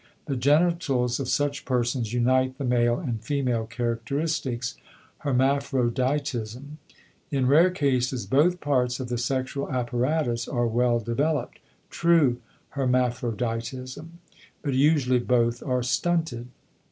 The genitals of such persons unite the male and female characteristics (hermaphroditism). In rare cases both parts of the sexual apparatus are well developed (true hermaphroditism), but usually both are stunted.